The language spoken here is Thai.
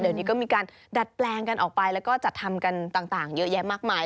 เดี๋ยวนี้ก็มีการดัดแปลงกันออกไปแล้วก็จัดทำกันต่างเยอะแยะมากมาย